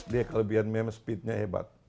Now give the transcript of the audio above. dia kelebihan memang speednya hebat